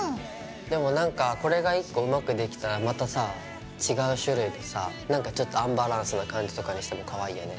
でもこれが１個うまくできたらまたさ違う種類でさなんかちょっとアンバランスな感じとかにしてもかわいいよね。